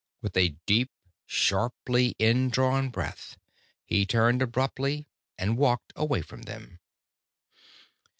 With a deep, sharply indrawn breath, he turned abruptly and walked away from them.